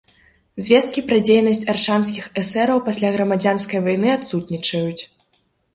Звесткі пра дзейнасць аршанскіх эсэраў пасля грамадзянскай вайны адсутнічаюць.